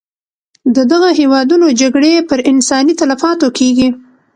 د دغه هېوادونو جګړې پر انساني تلفاتو کېږي.